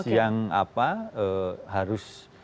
yang apa harus